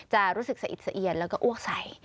จะรู้สึกเสียดแล้วก็อ้วกใส่